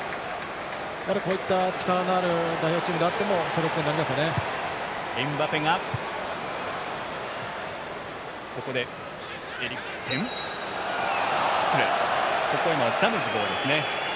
こういった力のある代表チームであっても総力戦になりますね。